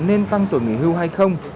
nên tăng tuổi nghỉ hưu hay không